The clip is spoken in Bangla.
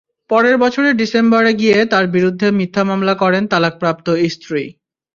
পরের বছরের ডিসেম্বরে গিয়ে তাঁর বিরুদ্ধে মিথ্যা মামলা করেন তালাকপ্রাপ্ত স্ত্রী।